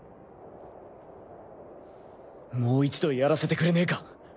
もう一度やらせてくれねえか？